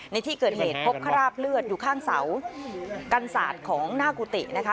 ในที่เกิดเหตุพบคราบเลือดอยู่ข้างเสากันศาสตร์ของหน้ากุฏินะคะ